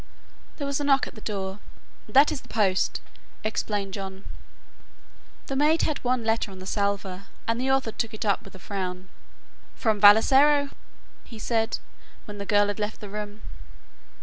There was a knock at the door. "That is the post," explained John. The maid had one letter on the salver and the author took it up with a frown. "From Vassalaro," he said, when the girl had left the room.